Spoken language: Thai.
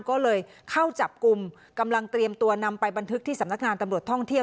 ก็เลยเข้าจับกลุ่มกำลังเตรียมตัวนำไปบันทึกที่สำนักงานตำรวจท่องเที่ยว